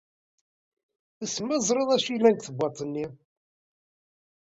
Wissen ma teẓriḍ d acu yellan deg tbewwaṭ-nni?